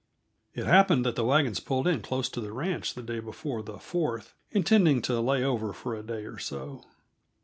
It happened that the wagons pulled in close to the ranch the day before the Fourth, intending to lay over for a day or so.